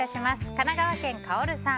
神奈川県の方。